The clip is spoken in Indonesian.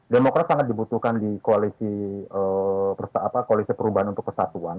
demokrat sangat dibutuhkan di koalisi perubahan untuk kesatuan